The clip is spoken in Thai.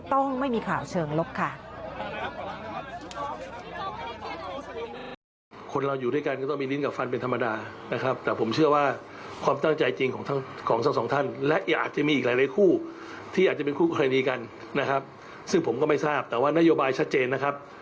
ไม่มีข่าวเชิงลบค่ะ